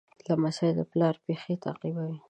لمسی د پلار پېښې تعقیبوي.